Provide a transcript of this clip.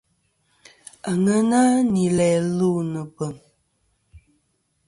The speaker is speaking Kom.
Àŋena nɨ̀n læ lu nɨ̀ bèŋ.